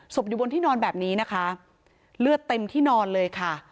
อยู่บนที่นอนแบบนี้นะคะเลือดเต็มที่นอนเลยค่ะ